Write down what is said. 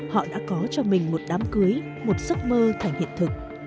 họ đã có cho mình một đám cưới một giấc mơ thành hiện thực